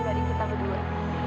bagi kita berdua